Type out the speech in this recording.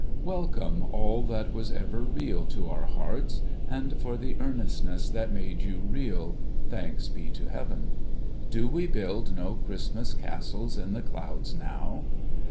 Welcome, all that was ever real to our hearts ; and for the earnestness that made you real, thanks to Heaven ! Do we build no Christmas castles in the clouds now